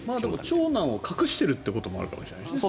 長男を隠しているということもあるかもしれないしね。